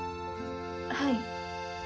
はい。